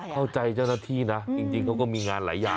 เจ้าหน้าที่นะจริงเขาก็มีงานหลายอย่าง